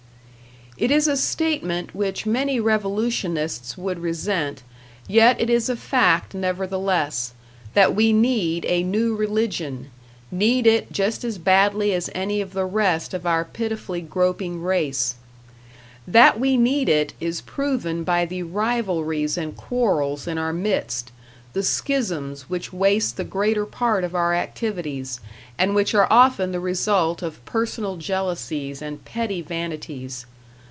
It is a statement which many revolutionists would resent, yet it is a fact nevertheless, that we need a new religion, need it just as badly as any of the rest of our pitifully groping race. That we need it is proven by the rivalries and quarrels in our midst the schisms which waste the greater part of our activities, and which are often the result of personal jealousies and petty vanities.